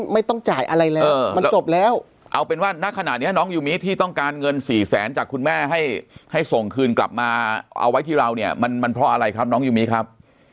ไม่ต้องจ่ายอะไรเลยมันจบแล้วเอาเป็นว่าณขณะนี้น้องยูมิที่ต้องการเงินสี่แสนจากคุณแม่ให้ส่งคืนกลับมาเอาไว้ที่เราเนี่ยมันเพราะอะไรครับน้องยูมิครับ